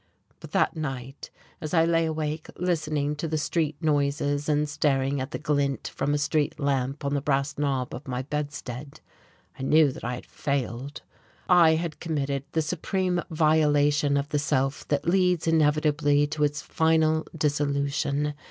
But that night, as I lay awake listening to the street noises and staring at the glint from a street lamp on the brass knob of my bedstead, I knew that I had failed. I had committed the supreme violation of the self that leads inevitably to its final dissolution....